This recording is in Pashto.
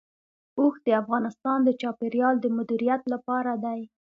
اوښ د افغانستان د چاپیریال د مدیریت لپاره دی.